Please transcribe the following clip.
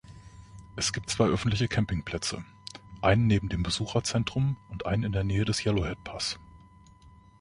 Es gibt zwei öffentliche Campingplätze: einen neben dem Besucherzentrum und einen in der Nähe des Yellowhead Pass.